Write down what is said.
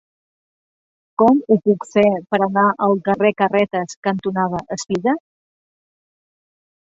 Com ho puc fer per anar al carrer Carretes cantonada Espiga?